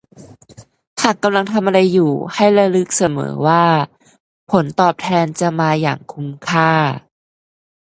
หากกำลังทำอะไรอยู่ให้ระลึกเสมอว่า ผลตอบแทนจะมาอย่างคุ้มค่า